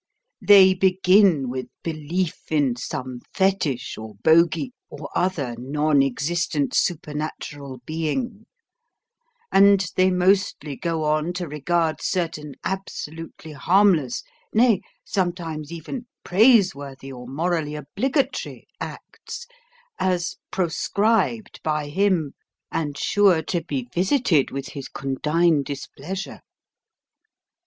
They begin with belief in some fetich or bogey or other non existent supernatural being; and they mostly go on to regard certain absolutely harmless nay, sometimes even praiseworthy or morally obligatory acts as proscribed by him and sure to be visited with his condign displeasure.